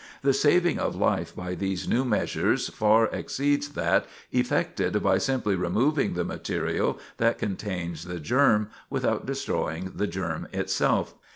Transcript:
The saving of life by these new measures far exceeds that effected by simply removing the material that contains the germ, without destroying the germ itself.